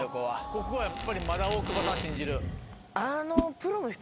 ここやっぱりまだ大久保さん信じる？